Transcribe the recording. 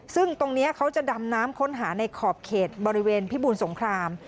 ซึ่งตรงนี้เขาจะดำน้ำค้นหาในขอบเขตบริเวณพิบูรสงคราม